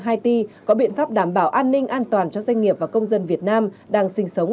haiti có biện pháp đảm bảo an ninh an toàn cho doanh nghiệp và công dân việt nam đang sinh sống